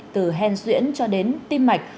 từ hen duyễn cho đến tim mạch